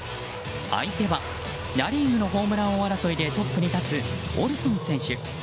相手はナ・リーグのホームラン王争いでトップに立つオルソン選手。